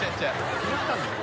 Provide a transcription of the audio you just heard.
拾ったんだよ。